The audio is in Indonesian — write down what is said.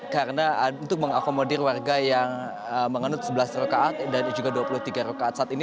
karena untuk mengakomodir warga yang mengenut sebelas rokaat dan juga dua puluh tiga rokaat saat ini